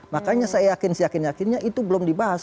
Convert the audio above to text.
makanya saya yakin seyakin yakinnya itu belum dibahas